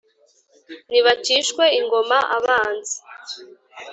nibacishwe ingoma abanzi,